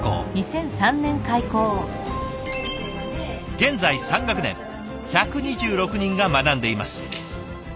現在３学年１２６人が学んでいます。